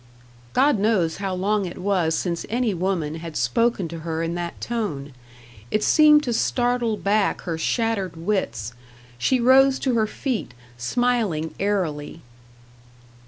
God knows how long it was since any woman had spoken to her in that tone. It seemed to startle back her shattered wits. She rose to her feet, smiling airily.